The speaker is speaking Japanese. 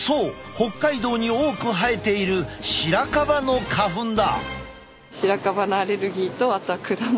北海道に多く生えているシラカバの花粉だ！